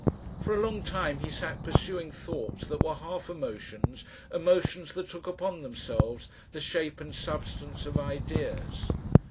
For a long time he sat pursuing thoughts that were half emotions, emotions that took upon themselves the shape and substance of ideas.